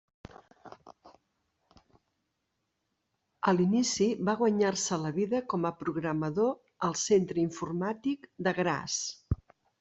A l'inici va guanyar-se la vida com a programador al centre informàtic de Graz.